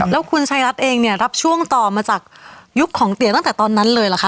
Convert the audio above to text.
แล้วคุณชายรัฐเองเนี่ยรับช่วงต่อมาจากยุคของเตี๋ยตั้งแต่ตอนนั้นเลยเหรอคะ